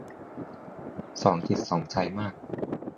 สองจิตใจสองใจมาก